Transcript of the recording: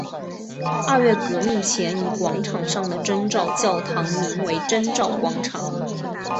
二月革命前以广场上的征兆教堂名为征兆广场。